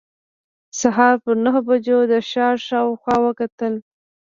سهار پر نهو بجو د ښار شاوخوا وکتل.